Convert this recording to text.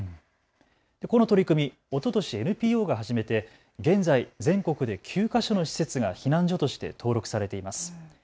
この取り組み、おととしＮＰＯが始めて現在、全国で９か所の施設が避難所として登録されています。